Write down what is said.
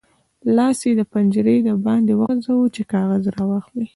لاس یې له پنجرې د باندې وغځاوو چې کاغذ راواخلي.